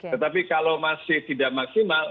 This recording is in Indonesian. tetapi kalau masih tidak maksimal